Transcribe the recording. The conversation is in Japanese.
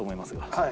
はい。